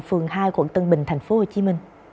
phường hai quận tân bình tp hcm